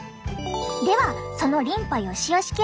ではそのリンパよしよしケア。